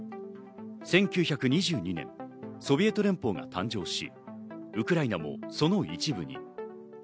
１９２２年、ソビエト連邦が誕生し、ウクライナもその一部に。